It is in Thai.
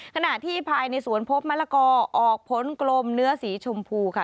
ขณะที่ภายในสวนพบมะละกอออกผลกลมเนื้อสีชมพูค่ะ